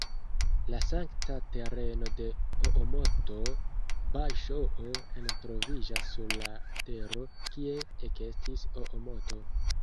La sankta tereno de Oomoto "Bajŝoo-en" troviĝas sur la tero, kie ekestis Oomoto.